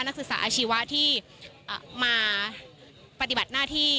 นักศึกษาอาชีวะที่มาปฏิบัติหน้าที่